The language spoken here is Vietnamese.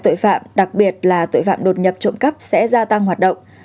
tội phạm đặc biệt là tội phạm đột nhập trộm cắp sẽ gia tăng hoạt động